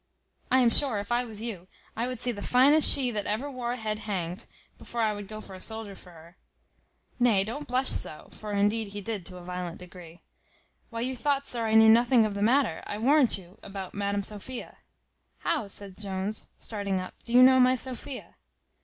I am sure, if I was you, I would see the finest she that ever wore a head hanged, before I would go for a soldier for her. Nay, don't blush so" (for indeed he did to a violent degree). "Why, you thought, sir, I knew nothing of the matter, I warrant you, about Madam Sophia." "How," says Jones, starting up, "do you know my Sophia?"